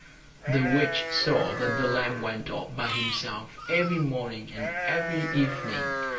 The witch saw that the lamb went off by himself every morning and every evening.